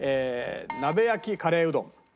鍋焼きカレーうどん。